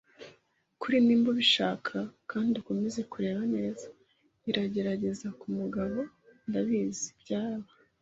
Kuri, niba ubishaka, kandi ukomeze kureba neza. Iragerageza kumugabo, ndabizi. Byaba